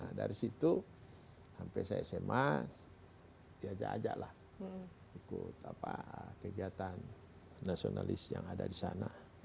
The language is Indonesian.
nah dari situ sampai saya sma diajak ajaklah ikut kegiatan nasionalis yang ada di sana